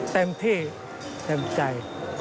เต็มที่เต็มใจ